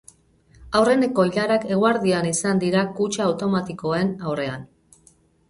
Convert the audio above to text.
Aurreneko ilarak eguerdian izan dira kutxa automatikoen aurrean.